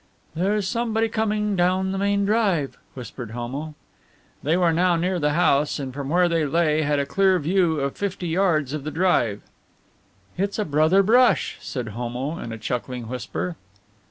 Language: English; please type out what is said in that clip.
"There's somebody coming down the main drive," whispered Homo. They were now near the house and from where they lay had a clear view of fifty yards of the drive. "It's a brother brush!" said Homo, in a chuckling whisper.